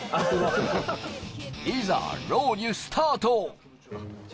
いざロウリュ、スタート！